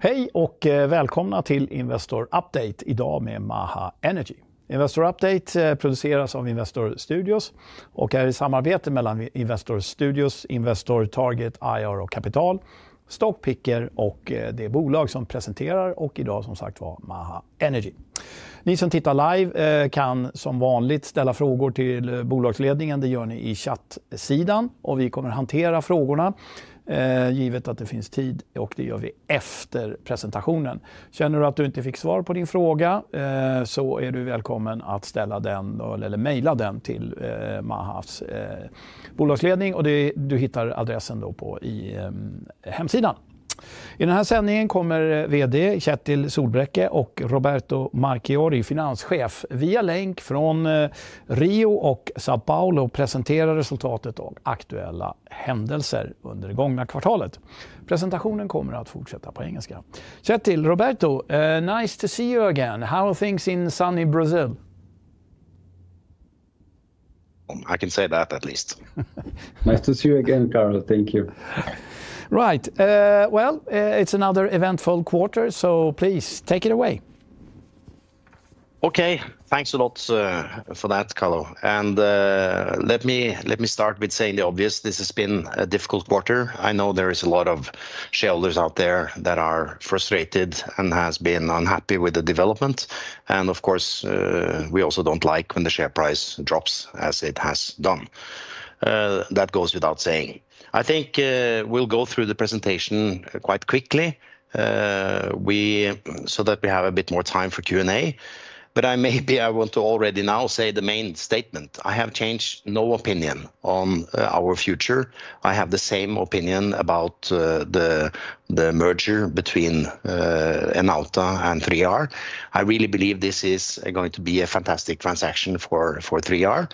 Hej och välkomna till Investor Update idag med Maha Energy. Investor Update produceras av Investor Studios och är i samarbete mellan Investor Studios, Investor Target, IR & Capital, Stockpicker och det bolag som presenterar, och idag som sagt var Maha Energy. Ni som tittar live kan som vanligt ställa frågor till bolagsledningen, det gör ni i chatsidan, och vi kommer att hantera frågorna givet att det finns tid, och det gör vi efter presentationen. Känner du att du inte fick svar på din fråga så är du välkommen att ställa den eller mejla den till Mahas bolagsledning, och det du hittar adressen då på hemsidan. I den här sändningen kommer VD Kjetil Solbraekke och Roberto Marchiori, Finanschef, via länk från Rio och São Paulo presentera resultatet av aktuella händelser under det gångna kvartalet. Presentationen kommer att fortsätta på engelska. Kjetil, Roberto, nice to see you again. How are things in sunny Brazil? I can say that at least. Nice to see you again, Carlo, thank you. Right, well, it's another eventful quarter, so please take it away. Okay, thanks a lot for that, Carlo, and let me start with saying the obvious. This has been a difficult quarter. I know there are a lot of shareholders out there that are frustrated and have been unhappy with the development. And of course, we also don't like when the share price drops as it has done. That goes without saying. I think we'll go through the presentation quite quickly so that we have a bit more time for Q&A, but maybe I want to already now say the main statement. I have changed no opinion on our future. I have the same opinion about the merger between Enauta and 3R. I really believe this is going to be a fantastic transaction for 3R.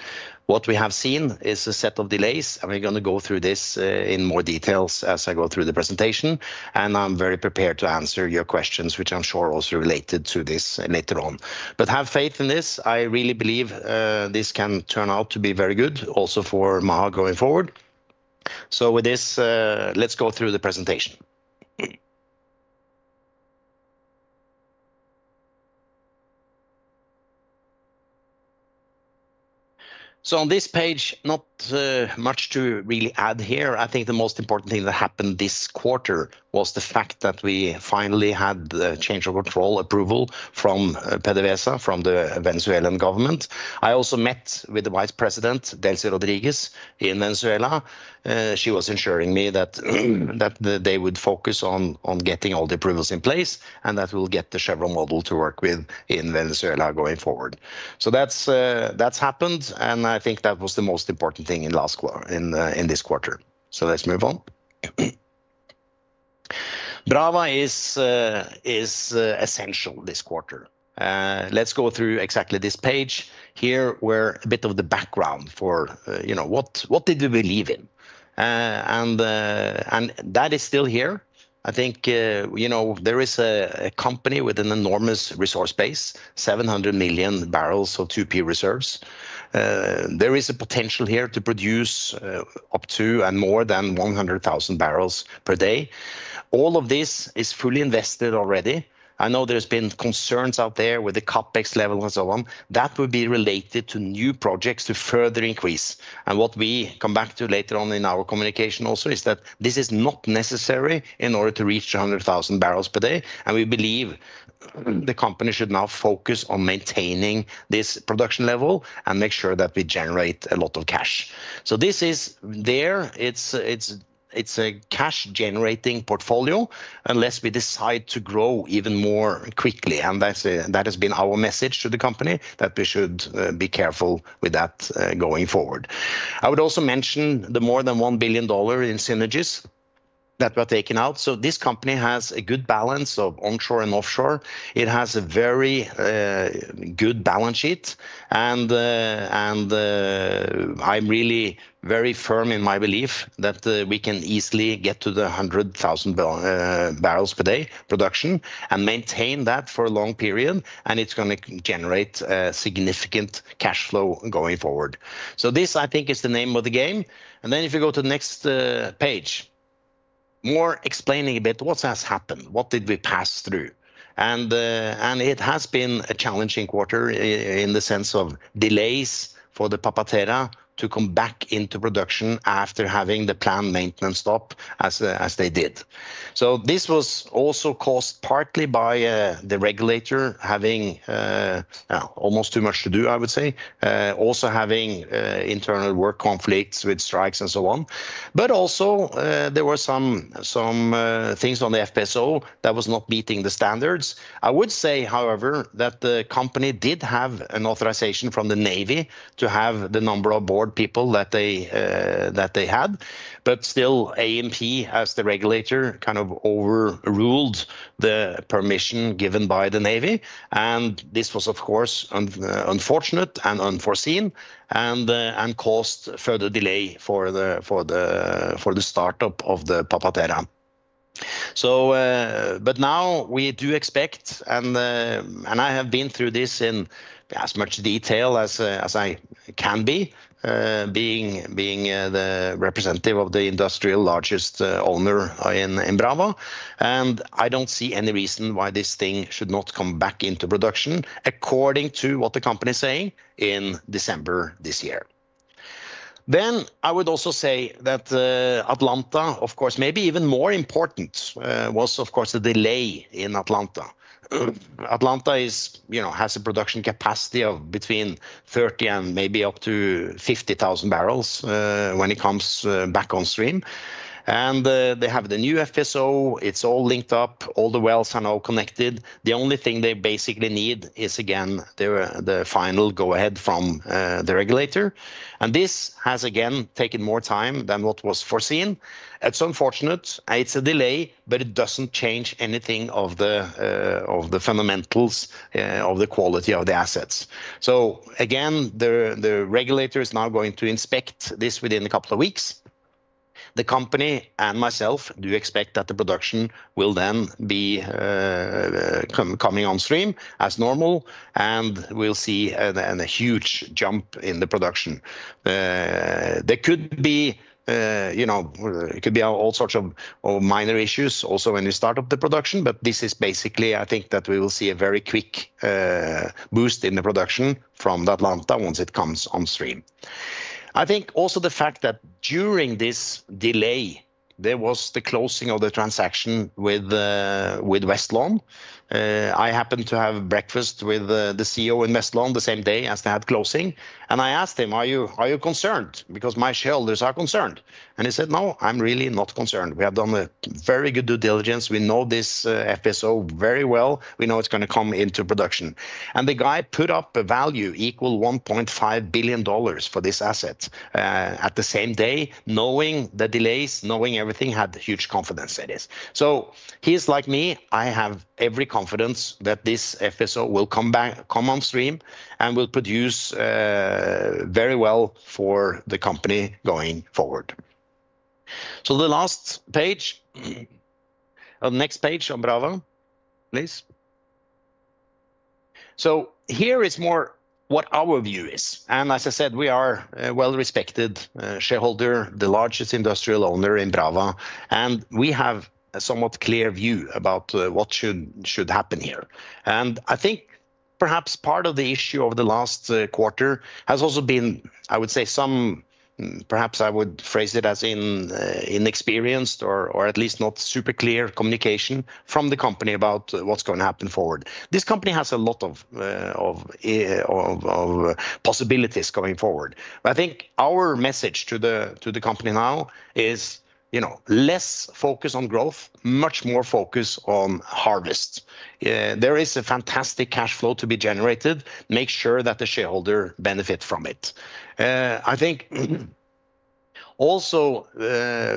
What we have seen is a set of delays, and we're going to go through this in more details as I go through the presentation. I'm very prepared to answer your questions, which I'm sure also related to this later on. But have faith in this. I really believe this can turn out to be very good also for Maha going forward. So with this, let's go through the presentation. So on this page, not much to really add here. I think the most important thing that happened this quarter was the fact that we finally had the change of control approval from PDVSA, from the Venezuelan government. I also met with the Vice President, Delcy Rodríguez, in Venezuela. She was ensuring me that they would focus on getting all the approvals in place and that we'll get the Chevron model to work with in Venezuela going forward. So that's happened, and I think that was the most important thing in Caracas in this quarter. So let's move on. Brava is essential this quarter. Let's go through exactly this page here where a bit of the background for what did we believe in. And that is still here. I think there is a company with an enormous resource base, 700 million barrels of 2P reserves. There is a potential here to produce up to and more than 100,000 barrels per day. All of this is fully invested already. I know there's been concerns out there with the CAPEX level and so on. That would be related to new projects to further increase. And what we come back to later on in our communication also is that this is not necessary in order to reach 100,000 barrels per day. And we believe the company should now focus on maintaining this production level and make sure that we generate a lot of cash. So this is there. It's a cash-generating portfolio unless we decide to grow even more quickly. And that has been our message to the company that we should be careful with that going forward. I would also mention the more than $1 billion in synergies that we are taking out. So this company has a good balance of onshore and offshore. It has a very good balance sheet. And I'm really very firm in my belief that we can easily get to the 100,000 barrels per day production and maintain that for a long period. And it's going to generate significant cash flow going forward. So this, I think, is the name of the game. And then if you go to the next page, more explaining a bit what has happened, what did we pass through. It has been a challenging quarter in the sense of delays for the Papa-Terra to come back into production after having the planned maintenance stop as they did. This was also caused partly by the regulator having almost too much to do, I would say, also having internal work conflicts with strikes and so on. There were also some things on the FPSO that was not meeting the standards. I would say, however, that the company did have an authorization from the Navy to have the number of aboard people that they had. Still, ANP, as the regulator, kind of overruled the permission given by the Navy. This was, of course, unfortunate and unforeseen and caused further delay for the startup of the Papa-Terra. But now we do expect, and I have been through this in as much detail as I can be, being the representative of the industrial largest owner in Brava. And I don't see any reason why this thing should not come back into production according to what the company is saying in December this year. Then I would also say that Atlanta, of course, maybe even more important was, of course, the delay in Atlanta. Atlanta has a production capacity of between 30 and maybe up to 50,000 barrels when it comes back on stream. And they have the new FPSO. It's all linked up. All the wells are now connected. The only thing they basically need is, again, the final go-ahead from the regulator. And this has, again, taken more time than what was foreseen. It's unfortunate. It's a delay, but it doesn't change anything of the fundamentals of the quality of the assets. So again, the regulator is now going to inspect this within a couple of weeks. The company and myself do expect that the production will then be coming on stream as normal, and we'll see a huge jump in the production. There could be all sorts of minor issues also when you start up the production, but this is basically, I think, that we will see a very quick boost in the production from Atlanta once it comes on stream. I think also the fact that during this delay, there was the closing of the transaction with Westlawn. I happened to have breakfast with the CEO in Westlawn the same day as they had closing. I asked him, "Are you concerned? Because my shareholders are concerned." And he said, "No, I'm really not concerned. We have done a very good due diligence. We know this FPSO very well. We know it's going to come into production. And the guy put up a value equal to $1.5 billion for this asset at the same day, knowing the delays, knowing everything, had huge confidence in this." So he's like me. I have every confidence that this FPSO will come on stream and will produce very well for the company going forward. So the last page, the next page on Brava, please. So here is more what our view is. And as I said, we are a well-respected shareholder, the largest industrial owner in Brava. And we have a somewhat clear view about what should happen here. I think perhaps part of the issue of the last quarter has also been, I would say, some perhaps I would phrase it as inexperienced or at least not super clear communication from the company about what's going to happen forward. This company has a lot of possibilities going forward. I think our message to the company now is less focus on growth, much more focus on harvest. There is a fantastic cash flow to be generated. Make sure that the shareholder benefits from it. I think also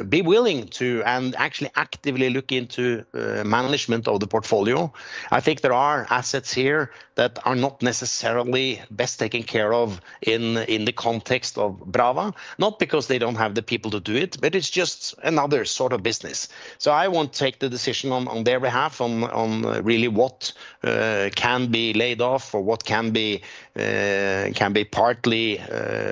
be willing to and actually actively look into management of the portfolio. I think there are assets here that are not necessarily best taken care of in the context of Brava, not because they don't have the people to do it, but it's just another sort of business. I won't take the decision on their behalf on really what can be laid off or what can be partly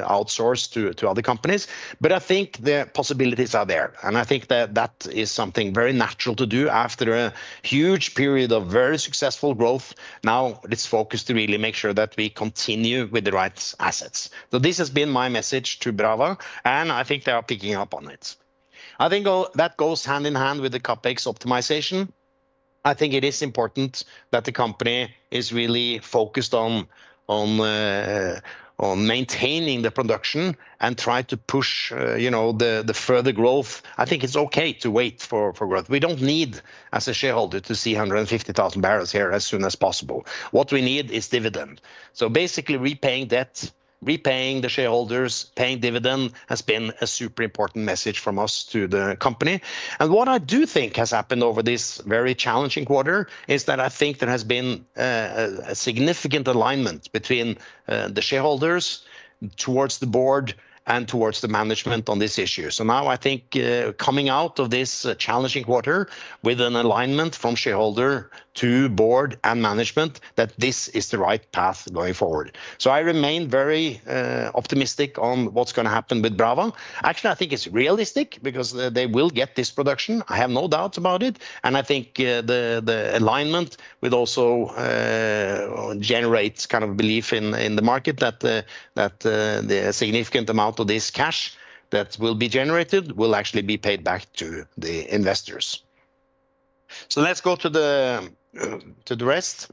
outsourced to other companies. But I think the possibilities are there. I think that that is something very natural to do after a huge period of very successful growth. Now it's focused to really make sure that we continue with the right assets. This has been my message to Brava, and I think they are picking up on it. I think that goes hand in hand with the OPEX optimization. I think it is important that the company is really focused on maintaining the production and trying to push the further growth. I think it's okay to wait for growth. We don't need, as a shareholder, to see 150,000 barrels here as soon as possible. What we need is dividend. So basically repaying debt, repaying the shareholders, paying dividend has been a super important message from us to the company. And what I do think has happened over this very challenging quarter is that I think there has been a significant alignment between the shareholders towards the board and towards the management on this issue. So now I think coming out of this challenging quarter with an alignment from shareholder to board and management that this is the right path going forward. So I remain very optimistic on what's going to happen with Brava. Actually, I think it's realistic because they will get this production. I have no doubts about it. And I think the alignment will also generate kind of a belief in the market that a significant amount of this cash that will be generated will actually be paid back to the investors. So let's go to the rest.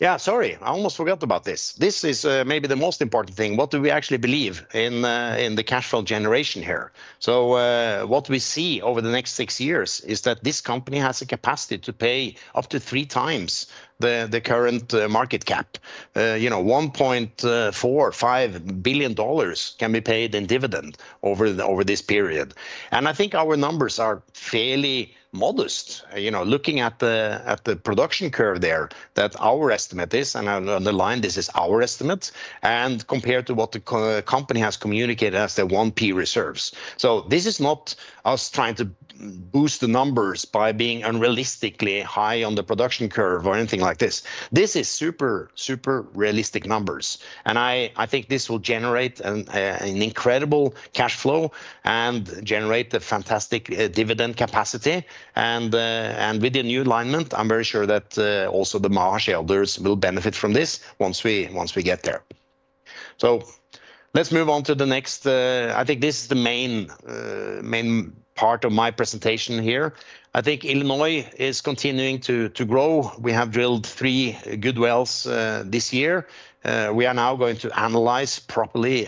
Yeah, sorry, I almost forgot about this. This is maybe the most important thing. What do we actually believe in the cash flow generation here? So what we see over the next six years is that this company has a capacity to pay up to three times the current market cap. $1.45 billion can be paid in dividend over this period. And I think our numbers are fairly modest. Looking at the production curve there, that our estimate is, and I underline this is our estimate, and compared to what the company has communicated as the 1P reserves. So this is not us trying to boost the numbers by being unrealistically high on the production curve or anything like this. This is super, super realistic numbers. And I think this will generate an incredible cash flow and generate a fantastic dividend capacity. With the new alignment, I'm very sure that also the Maha shareholders will benefit from this once we get there. So let's move on to the next. I think this is the main part of my presentation here. I think Illinois is continuing to grow. We have drilled three good wells this year. We are now going to analyze properly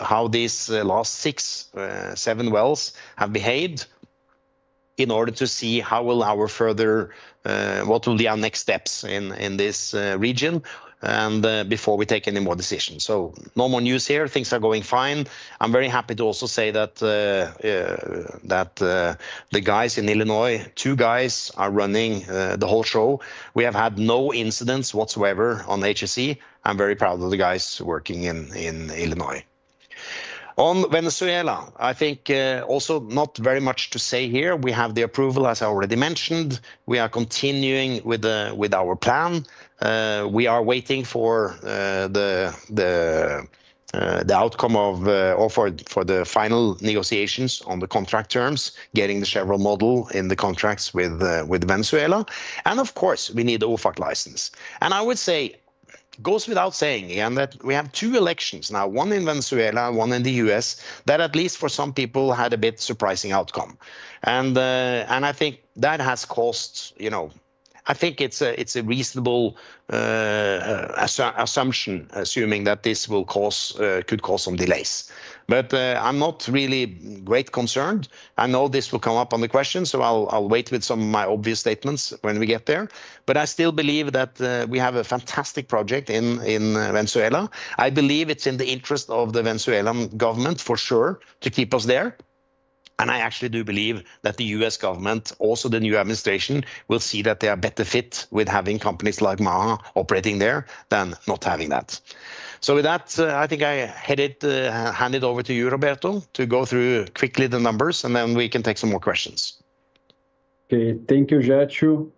how these last six, seven wells have behaved in order to see how will our further, what will be our next steps in this region before we take any more decisions. So no more news here. Things are going fine. I'm very happy to also say that the guys in Illinois, two guys are running the whole show. We have had no incidents whatsoever on HSE. I'm very proud of the guys working in Illinois. On Venezuela, I think also not very much to say here. We have the approval, as I already mentioned. We are continuing with our plan. We are waiting for the outcome of the final negotiations on the contract terms, getting the Chevron model in the contracts with Venezuela, and of course, we need the OFAC license. And I would say it goes without saying that we have two elections now, one in Venezuela, one in the U.S., that at least for some people had a bit surprising outcome, and I think that has cost. I think it's a reasonable assumption assuming that this could cause some delays, but I'm not really great concerned. I know this will come up on the question, so I'll wait with some of my obvious statements when we get there, but I still believe that we have a fantastic project in Venezuela. I believe it's in the interest of the Venezuelan government for sure to keep us there. And I actually do believe that the U.S. government, also the new administration, will see that they are better fit with having companies like Maha operating there than not having that. So with that, I think I hand it over to you, Roberto, to go through quickly the numbers, and then we can take some more questions. Okay, thank you, Kjetil.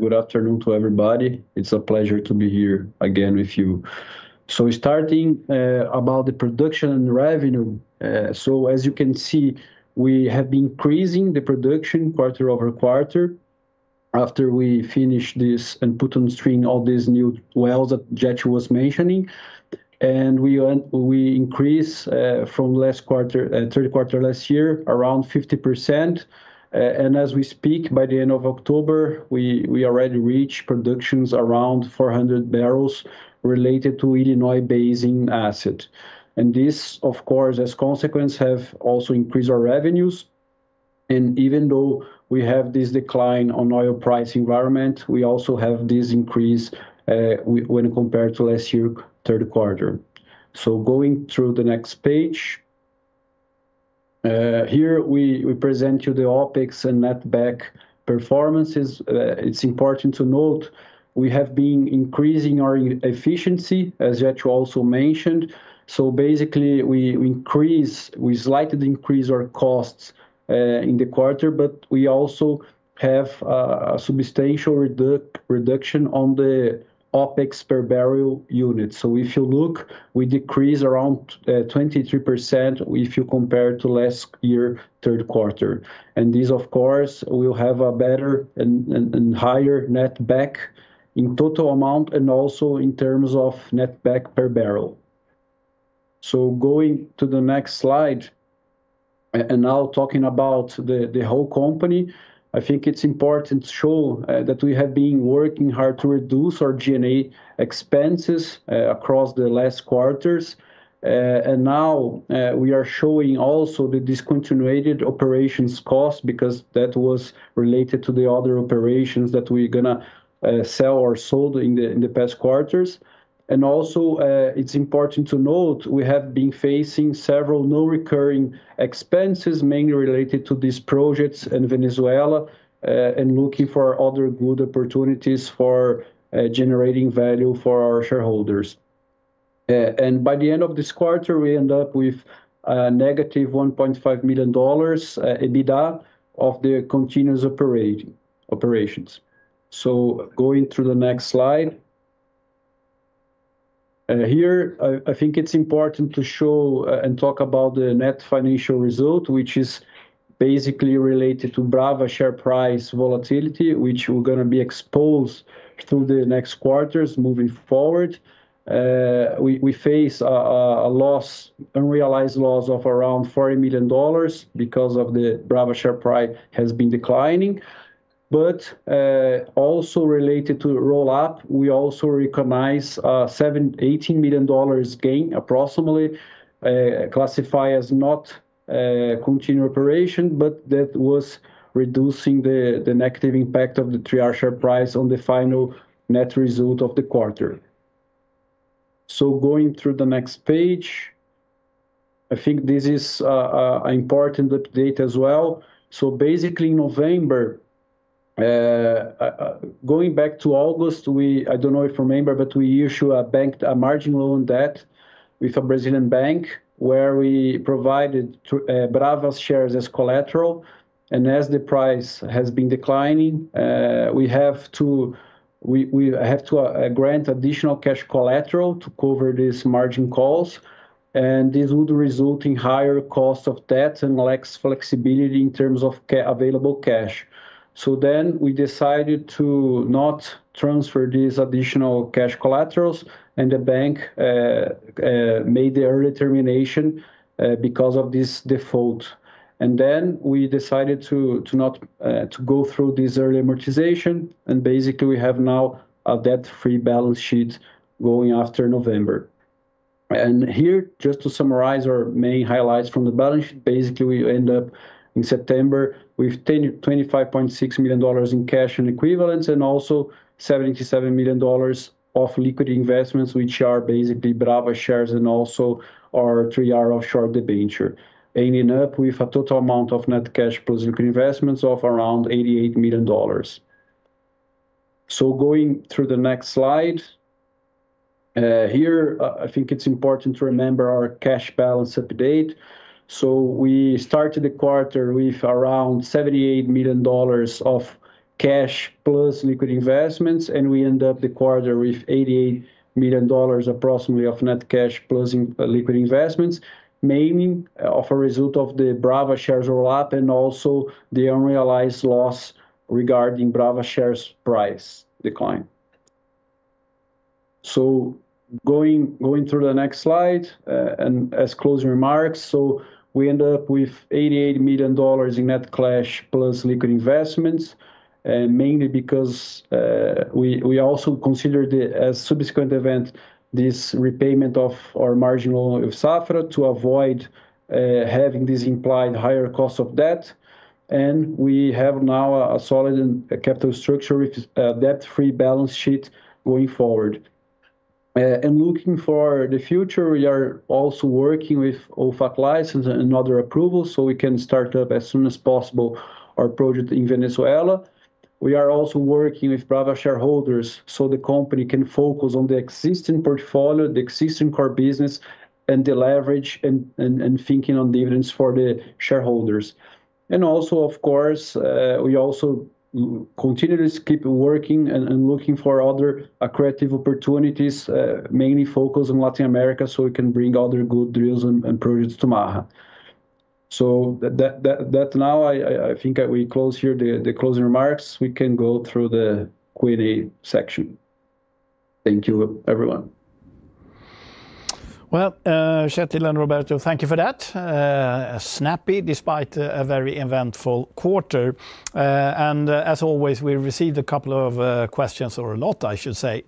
Good afternoon to everybody. It's a pleasure to be here again with you. So starting about the production and revenue. So as you can see, we have been increasing the production quarter over quarter after we finish this and put on stream all these new wells that Kjetil was mentioning. And we increased from last quarter, third quarter last year, around 50%. As we speak, by the end of October, we already reached productions around 400 barrels related to Illinois Basin asset. This, of course, as consequence, has also increased our revenues. Even though we have this decline on oil price environment, we also have this increase when compared to last year, third quarter. Going through the next page, here we present you the OPEX and netback performances. It is important to note we have been increasing our efficiency, as Kjetil also mentioned. Basically, we slightly increased our costs in the quarter, but we also have a substantial reduction on the OPEX per barrel unit. If you look, we decreased around 23% if you compare to last year, third quarter. This, of course, will have a better and higher netback in total amount and also in terms of netback per barrel. So going to the next slide, and now talking about the whole company, I think it's important to show that we have been working hard to reduce our G&A expenses across the last quarters. And now we are showing also the discontinued operations cost because that was related to the other operations that we're going to sell or sold in the past quarters. And also, it's important to note we have been facing several non-recurring expenses mainly related to these projects in Venezuela and looking for other good opportunities for generating value for our shareholders. And by the end of this quarter, we end up with a negative $1.5 million EBITDA of the continuing operations. So going through the next slide. Here, I think it's important to show and talk about the net financial result, which is basically related to Brava share price volatility, which we're going to be exposed to the next quarters moving forward. We face a loss, unrealized loss of around $40 million because of the Brava share price has been declining. But also related to roll-up, we also recognize $18 million gain approximately, classified as discontinued operation, but that was reducing the negative impact of the Brava share price on the final net result of the quarter. Going through the next page, I think this is an important update as well. Basically in November, going back to August, I don't know if you remember, but we issued a margin loan debt with a Brazilian bank where we provided Brava's shares as collateral. As the price has been declining, we have to grant additional cash collateral to cover these margin calls. This would result in higher cost of debt and less flexibility in terms of available cash. Then we decided to not transfer these additional cash collaterals, and the bank made the early termination because of this default. Then we decided to not go through this early amortization. Basically, we have now a debt-free balance sheet going after November. Here, just to summarize our main highlights from the balance sheet, basically we end up in September with $25.6 million in cash and equivalents and also $77 million of liquid investments, which are basically Brava shares and also our three-year offshore debenture, ending up with a total amount of net cash plus liquid investments of around $88 million. Going through the next slide, here, I think it's important to remember our cash balance update. We started the quarter with around $78 million of cash plus liquid investments, and we end up the quarter with $88 million approximately of net cash plus liquid investments, mainly as a result of the Brava shares roll-up and also the unrealized loss regarding Brava shares price decline. Going through the next slide and as closing remarks, we end up with $88 million in net cash plus liquid investments, mainly because we also considered as a subsequent event this repayment of our margin loan with Safra to avoid having this implied higher cost of debt. We have now a solid capital structure with a debt-free balance sheet going forward. And looking for the future, we are also working with OFAC license and other approvals so we can start up as soon as possible our project in Venezuela. We are also working with Brava shareholders so the company can focus on the existing portfolio, the existing core business, and the leverage and thinking on dividends for the shareholders. And also, of course, we also continually keep working and looking for other creative opportunities, mainly focused on Latin America so we can bring other good deals and projects to Maha. So that now I think we close here the closing remarks. We can go through the Q&A section. Thank you, everyone. Well, Kjetil and Roberto, thank you for that. Snappy despite a very eventful quarter. And as always, we received a couple of questions, or a lot, I should say,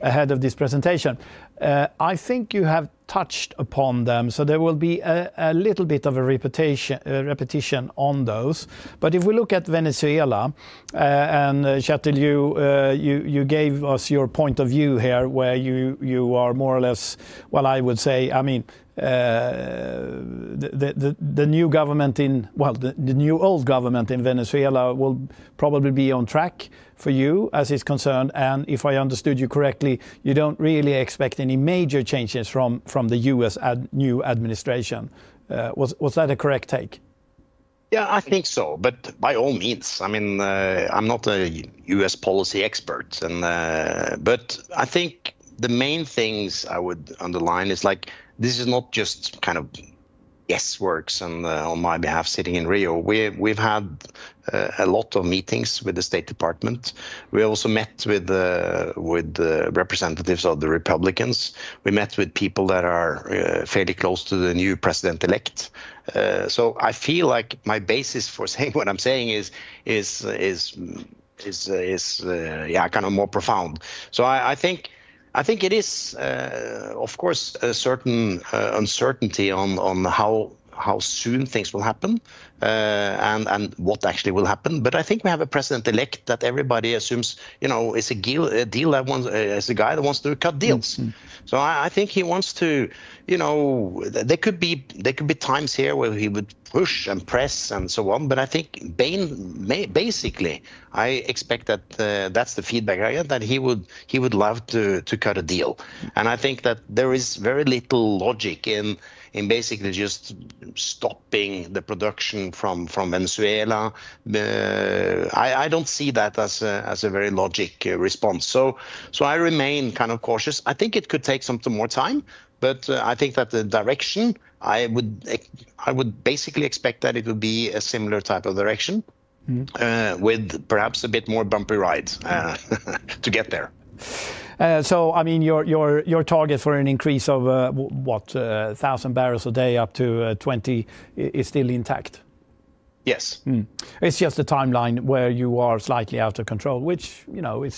ahead of this presentation. I think you have touched upon them, so there will be a little bit of a repetition on those. But if we look at Venezuela and PetroUrdaneta, you gave us your point of view here where you are more or less, well, I would say, I mean, the new government in, well, the new old government in Venezuela will probably be on track for you as it’s concerned. And if I understood you correctly, you don’t really expect any major changes from the U.S. new administration. Was that a correct take? Yeah, I think so, but by all means. I mean, I’m not a U.S. policy expert. But I think the main things I would underline is like this is not just kind of guessworks on my behalf sitting in Rio. We’ve had a lot of meetings with the State Department. We also met with representatives of the Republicans. We met with people that are fairly close to the new president-elect. So I feel like my basis for saying what I'm saying is, yeah, kind of more profound. So I think it is, of course, a certain uncertainty on how soon things will happen and what actually will happen. But I think we have a president-elect that everybody assumes is a deal that wants, is a guy that wants to cut deals. So I think he wants to, there could be times here where he would push and press and so on. But I think basically, I expect that that's the feedback I get, that he would love to cut a deal. And I think that there is very little logic in basically just stopping the production from Venezuela. I don't see that as a very logical response. So I remain kind of cautious. I think it could take some more time, but I think that the direction, I would basically expect that it would be a similar type of direction with perhaps a bit more bumpy ride to get there. So I mean, your target for an increase of what, 1,000 barrels a day up to 20 is still intact? Yes. It's just a timeline where you are slightly out of control, which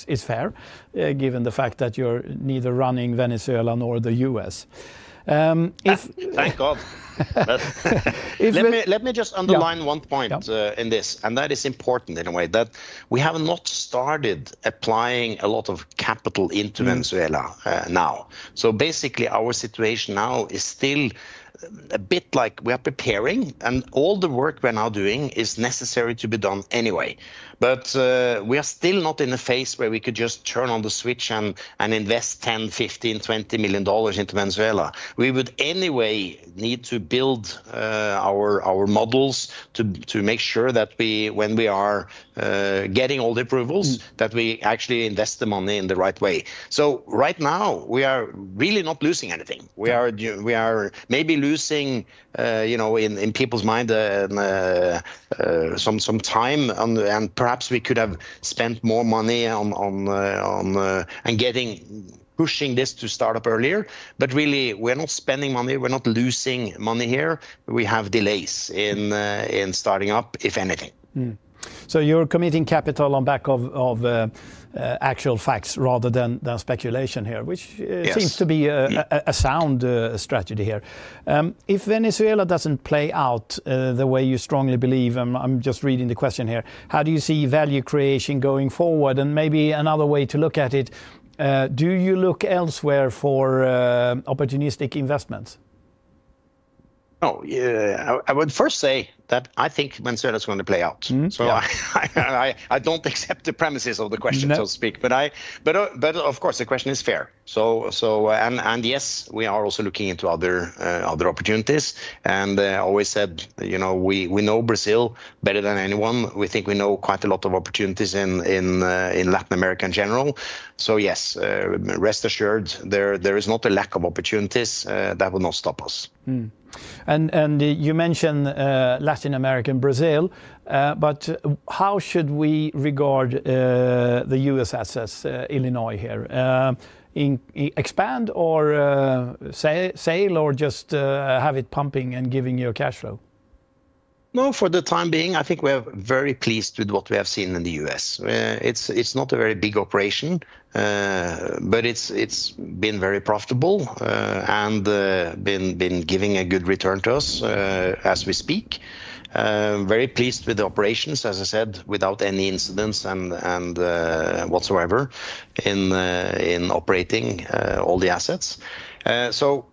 is fair given the fact that you're neither running Venezuela nor the U.S. Thank God. Let me just underline one point in this, and that is important in a way, that we have not started applying a lot of capital into Venezuela now. So basically, our situation now is still a bit like we are preparing, and all the work we're now doing is necessary to be done anyway. But we are still not in a phase where we could just turn on the switch and invest $10 million, $15 million, $20 million into Venezuela. We would anyway need to build our models to make sure that when we are getting all the approvals, that we actually invest the money in the right way. So right now, we are really not losing anything. We are maybe losing in people's mind some time, and perhaps we could have spent more money and pushing this to start up earlier. But really, we're not spending money. We're not losing money here. We have delays in starting up, if anything. So you're committing capital on back of actual facts rather than speculation here, which seems to be a sound strategy here. If Venezuela doesn't play out the way you strongly believe, I'm just reading the question here, how do you see value creation going forward? And maybe another way to look at it, do you look elsewhere for opportunistic investments? Oh, I would first say that I think Venezuela is going to play out. So I don't accept the premises of the question, so to speak. But of course, the question is fair. And yes, we are also looking into other opportunities. And I always said we know Brazil better than anyone. We think we know quite a lot of opportunities in Latin America in general. So yes, rest assured, there is not a lack of opportunities that will not stop us. And you mentioned Latin America and Brazil, but how should we regard the U.S. assets, Illinois here? Expand or sell or just have it pumping and giving you a cash flow? No, for the time being, I think we're very pleased with what we have seen in the U.S. It's not a very big operation, but it's been very profitable and been giving a good return to us as we speak. Very pleased with the operations, as I said, without any incidents whatsoever in operating all the assets. So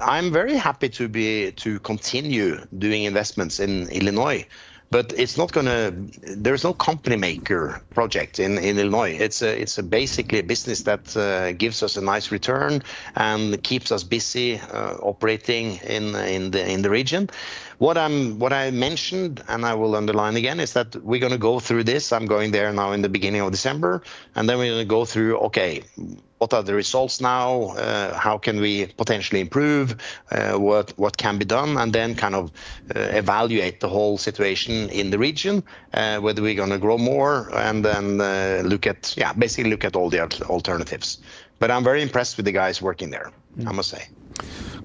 I'm very happy to continue doing investments in Illinois, but it's not going to, there is no game-changer project in Illinois. It's basically a business that gives us a nice return and keeps us busy operating in the region. What I mentioned, and I will underline again, is that we're going to go through this. I'm going there now in the beginning of December, and then we're going to go through, okay, what are the results now? How can we potentially improve? What can be done? And then kind of evaluate the whole situation in the region, whether we're going to grow more and then look at, yeah, basically look at all the alternatives. But I'm very impressed with the guys working there, I must say.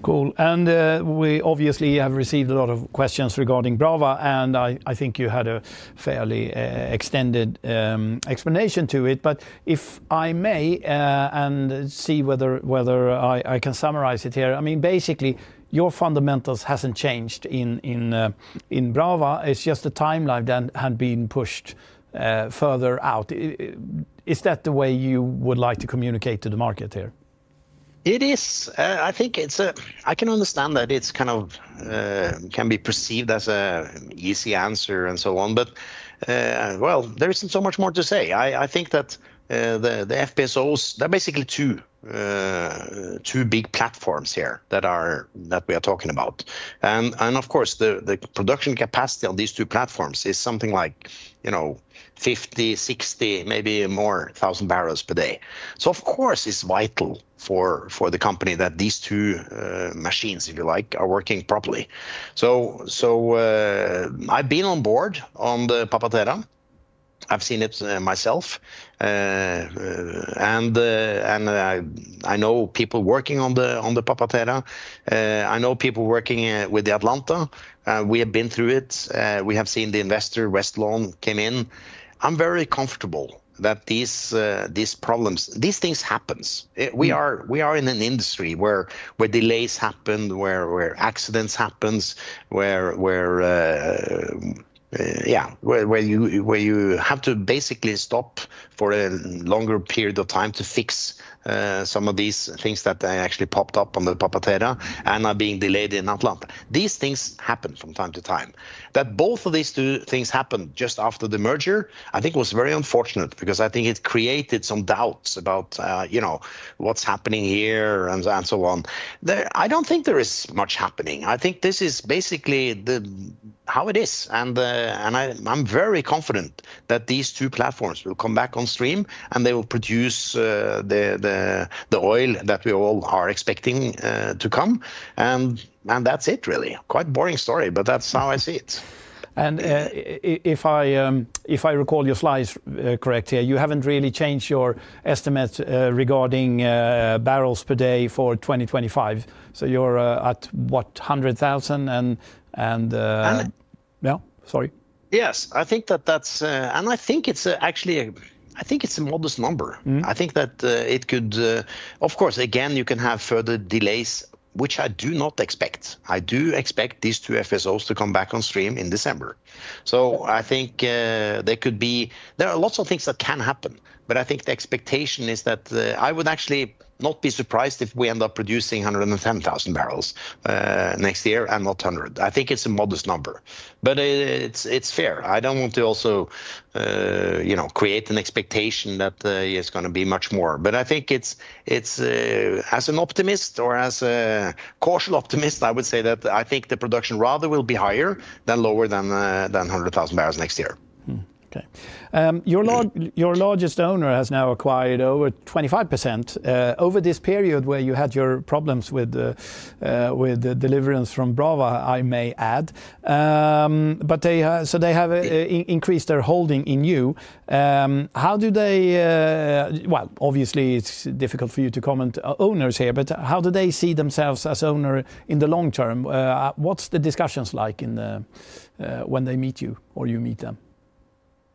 Cool. And we obviously have received a lot of questions regarding Brava, and I think you had a fairly extended explanation to it. But if I may and see whether I can summarize it here, I mean, basically, your fundamentals hasn't changed in Brava. It's just the timeline that had been pushed further out. Is that the way you would like to communicate to the market here? It is. I can understand that it's kind of can be perceived as an easy answer and so on, but well, there isn't so much more to say. I think that the FPSOs, they're basically two big platforms here that we are talking about, and of course, the production capacity on these two platforms is something like 50-60, maybe more thousand barrels per day, so of course, it's vital for the company that these two machines, if you like, are working properly, so I've been on board the Papa-Terra. I've seen it myself, and I know people working on the Papa-Terra. I know people working with the Atlanta. We have been through it. We have seen the investor Westlawn came in. I'm very comfortable that these problems, these things happen. We are in an industry where delays happen, where accidents happen, yeah, where you have to basically stop for a longer period of time to fix some of these things that actually popped up on the Papa-Terra and are being delayed in Atlanta. These things happen from time to time. That both of these two things happened just after the merger, I think was very unfortunate because I think it created some doubts about what's happening here and so on. I don't think there is much happening. I think this is basically how it is. I'm very confident that these two platforms will come back on stream and they will produce the oil that we all are expecting to come. That's it, really. Quite a boring story, but that's how I see it. If I recall your slides correctly here, you haven't really changed your estimate regarding barrels per day for 2025. You're at what, 100,000? Yeah, sorry. Yes, I think that's, and I think it's actually a modest number. I think that it could, of course, again, you can have further delays, which I do not expect. I do expect these two FPSOs to come back on stream in December. I think there could be. There are lots of things that can happen, but I think the expectation is that I would actually not be surprised if we end up producing 110,000 barrels next year and not 100. I think it's a modest number, but it's fair. I don't want to also create an expectation that it's going to be much more. But I think it's, as an optimist or as a cautious optimist, I would say that I think the production rather will be higher than lower than 100,000 barrels next year. Okay. Your largest owner has now acquired over 25%. Over this period where you had your problems with delivery from Brava, I may add. But they have, so they have increased their holding in you. How do they, well, obviously it's difficult for you to comment on owners here, but how do they see themselves as owner in the long term? What's the discussions like when they meet you or you meet them?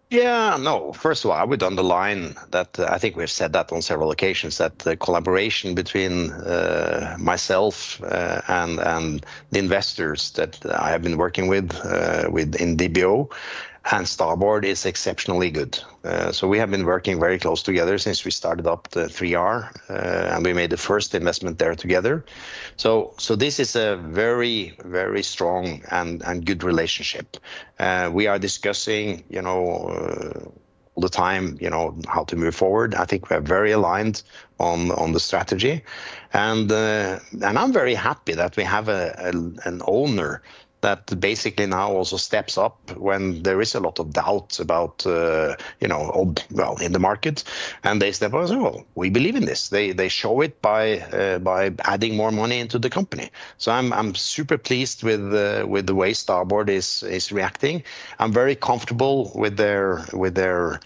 Yeah, no, first of all, I would underline that I think we've said that on several occasions, that the collaboration between myself and the investors that I have been working with in DBO and Starboard is exceptionally good. So we have been working very close together since we started up the 3R and we made the first investment there together. So this is a very, very strong and good relationship. We are discussing all the time how to move forward. I think we are very aligned on the strategy. And I'm very happy that we have an owner that basically now also steps up when there is a lot of doubts about, well, in the market. And they step up and say, well, we believe in this. They show it by adding more money into the company. So I'm super pleased with the way Starboard is reacting. I'm very comfortable with their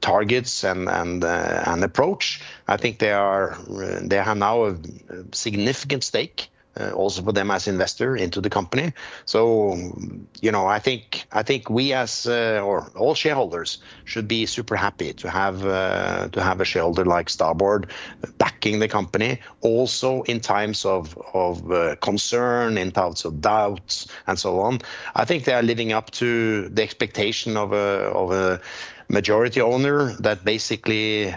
targets and approach. I think they have now a significant stake also for them as investor into the company. So I think we as, or all shareholders should be super happy to have a shareholder like Starboard backing the company also in times of concern, in times of doubts and so on. I think they are living up to the expectation of a majority owner that basically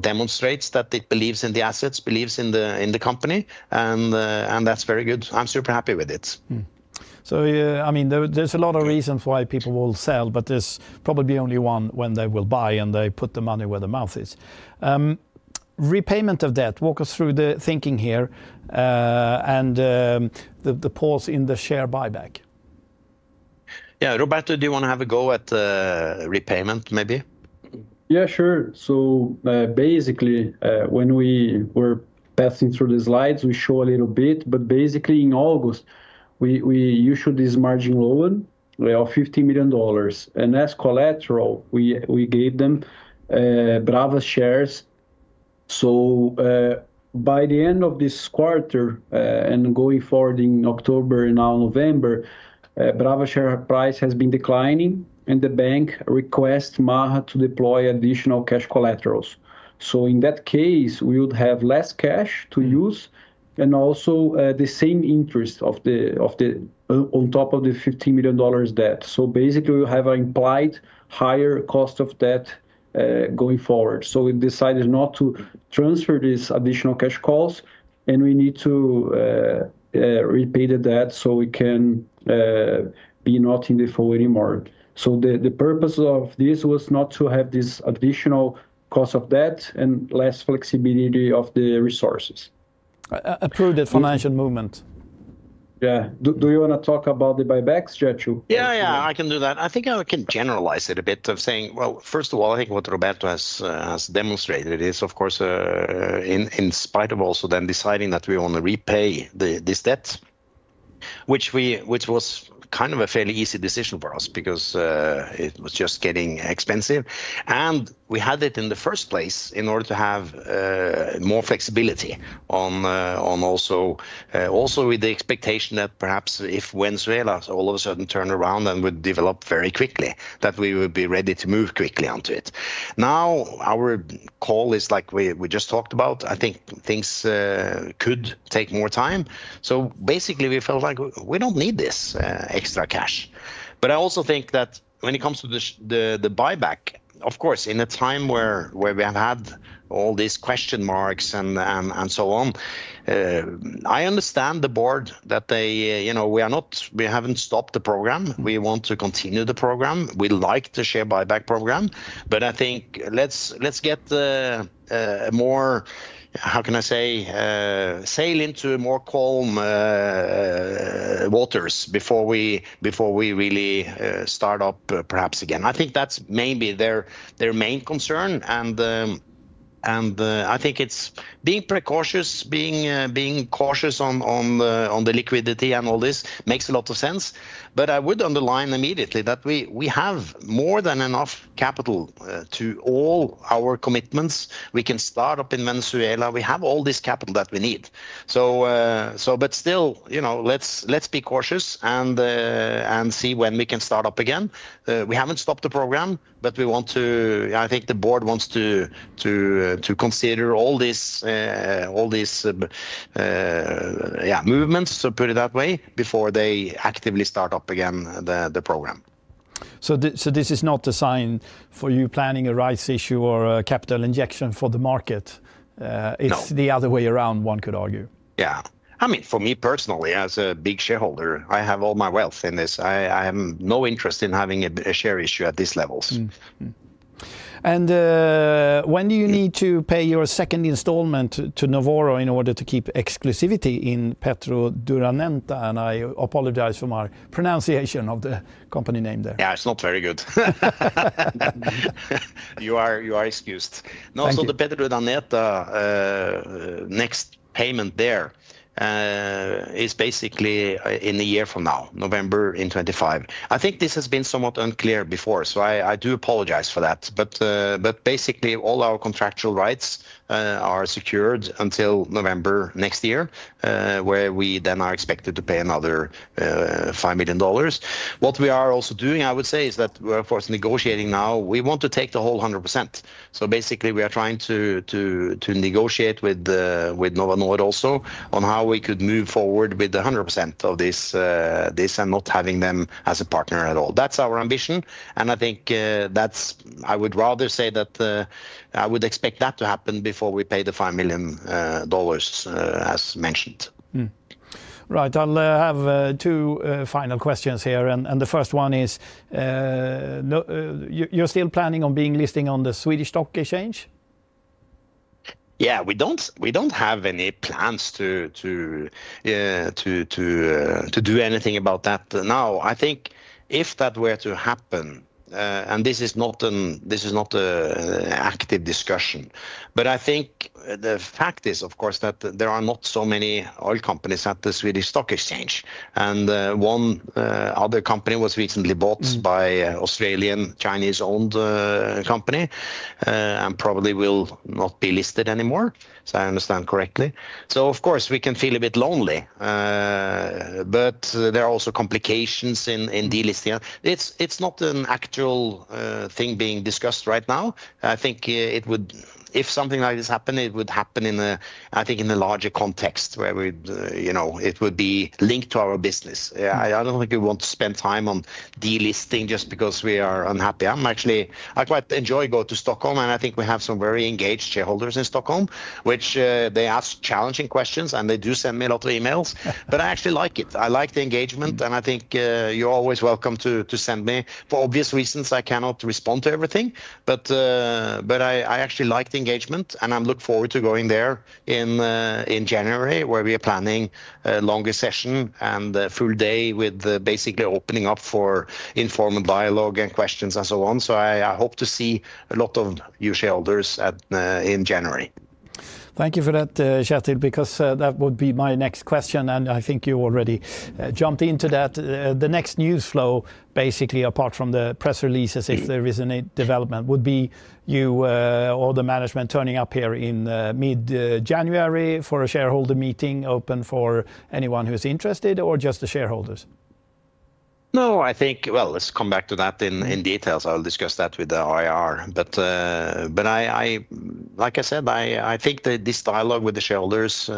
demonstrates that it believes in the assets, believes in the company. And that's very good. I'm super happy with it. So I mean, there's a lot of reasons why people will sell, but there's probably only one when they will buy and they put the money where their mouth is. Repayment of debt, walk us through the thinking here and the pause in the share buyback. Yeah, Roberto, do you want to have a go at repayment maybe? Yeah, sure. So basically, when we were passing through the slides, we show a little bit, but basically in August, we issued this margin loan of $15 million. And as collateral, we gave them Brava's shares. So by the end of this quarter and going forward in October, now November, Brava's share price has been declining and the bank requests Maha to deploy additional cash collaterals. So in that case, we would have less cash to use and also the same interest on top of the $15 million debt. So basically, we have an implied higher cost of debt going forward. So we decided not to transfer this additional cash cost and we need to repay the debt so we can be not in default anymore. So the purpose of this was not to have this additional cost of debt and less flexibility of the resources. Approved the financial movement. Yeah. Do you want to talk about the buybacks, Kjetil? Yeah, yeah, I can do that. I think I can generalize it a bit of saying, well, first of all, I think what Roberto has demonstrated is, of course, in spite of also then deciding that we want to repay this debt, which was kind of a fairly easy decision for us because it was just getting expensive. And we had it in the first place in order to have more flexibility also with the expectation that perhaps if Venezuela all of a sudden turned around and would develop very quickly, that we would be ready to move quickly onto it. Now our call is like we just talked about. I think things could take more time. So basically, we felt like we don't need this extra cash. But I also think that when it comes to the buyback, of course, in a time where we have had all these question marks and so on, I understand the board that we haven't stopped the program. We want to continue the program. We'd like to share buyback program, but I think let's get a more, how can I say, sail into more calm waters before we really start up perhaps again. I think that's maybe their main concern. And I think it's being precautious, being cautious on the liquidity and all this makes a lot of sense. But I would underline immediately that we have more than enough capital to all our commitments. We can start up in Venezuela. We have all this capital that we need. But still, let's be cautious and see when we can start up again. We haven't stopped the program, but we want to. I think the board wants to consider all these movements, so put it that way, before they actively start up again the program. So this is not a sign for you planning a rights issue or a capital injection for the market. It's the other way around, one could argue. Yeah. I mean, for me personally, as a big shareholder, I have all my wealth in this. I have no interest in having a share issue at these levels. And when do you need to pay your second installment to Novonor in order to keep exclusivity in PetroUrdaneta? And I apologize for my pronunciation of the company name there. Yeah, it's not very good. You are excused. No, so the PetroUrdaneta next payment there is basically in a year from now, November 2025. I think this has been somewhat unclear before, so I do apologize for that. But basically, all our contractual rights are secured until November next year, where we then are expected to pay another $5 million. What we are also doing, I would say, is that we're of course negotiating now. We want to take the whole 100%. So basically, we are trying to negotiate with Novonor also on how we could move forward with the 100% of this and not having them as a partner at all. That's our ambition. And I think that's, I would rather say that I would expect that to happen before we pay the $5 million, as mentioned. Right. I'll have two final questions here. And the first one is, you're still planning on being listed on the Swedish stock exchange? Y eah, we don't have any plans to do anything about that now. I think if that were to happen, and this is not an active discussion, but I think the fact is, of course, that there are not so many oil companies at the Swedish stock exchange. One other company was recently bought by an Australian Chinese-owned company and probably will not be listed anymore, if I understand correctly. So of course, we can feel a bit lonely, but there are also complications in delisting. It's not an actual thing being discussed right now. I think if something like this happened, it would happen, I think, in a larger context where it would be linked to our business. I don't think we want to spend time on delisting just because we are unhappy. I quite enjoy going to Stockholm, and I think we have some very engaged shareholders in Stockholm, which they ask challenging questions, and they do send me a lot of emails. But I actually like it. I like the engagement, and I think you're always welcome to send me. For obvious reasons, I cannot respond to everything, but I actually like the engagement, and I look forward to going there in January, where we are planning a longer session and a full day with basically opening up for informal dialogue and questions and so on. So I hope to see a lot of new shareholders in January. Thank you for that, Kjetil, because that would be my next question, and I think you already jumped into that. The next news flow, basically apart from the press releases, if there is any development, would be you or the management turning up here in mid-January for a shareholder meeting open for anyone who's interested or just the shareholders? No, I think, well, let's come back to that in details. I'll discuss that with the IR. But like I said, I think that this dialogue with the shareholders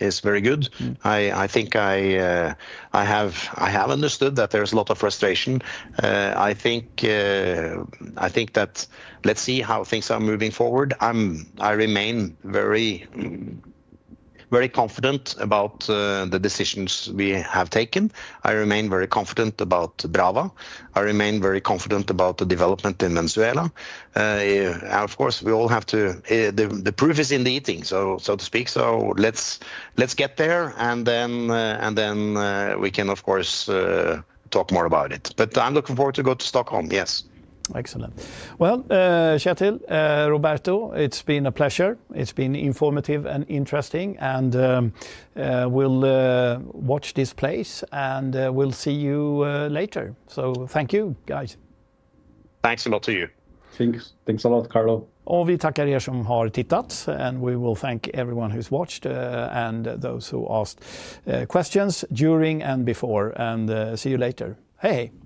is very good. I think I have understood that there's a lot of frustration. I think that let's see how things are moving forward. I remain very confident about the decisions we have taken. I remain very confident about Brava. I remain very confident about the development in Venezuela. Of course, we all have to, the proof is in the eating, so to speak. So let's get there, and then we can, of course, talk more about it. But I'm looking forward to going to Stockholm, yes. Excellent. Well, Kjetil, Roberto, it's been a pleasure. It's been informative and interesting, and we'll watch this place, and we'll see you later. So thank you, guys. Thanks a lot to you. Thanks a lot, Carlo. Och vi tackar som har tittat, and we will thank everyone who's watched and those who asked questions during and before, and see you later. Hej hej.